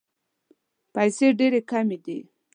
پیسې ډېري کمي دي.